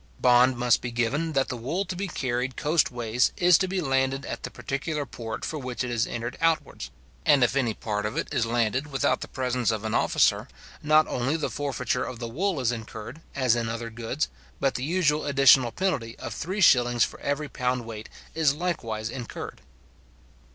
Bond must be given that the wool to be carried coast ways is to be landed at the particular port for which it is entered outwards; and if my part of it is landed without the presence of an officer, not only the forfeiture of the wool is incurred, as in other goods, but the usual additional penalty of 3s. for every pound weight is likewise incurred.